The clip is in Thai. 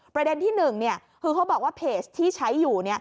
ประเด็นที่๑คือเขาบอกว่าเพจที่ใช้อยู่